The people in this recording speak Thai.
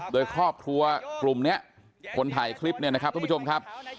โดยครอบครัวกลุ่มนี้คนถ่ายคลิปเนี่ยนะครับทุกผู้ชมครับ